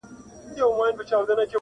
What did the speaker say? پر ذهن مي را اوري ستا ګلاب ګلاب یادونه,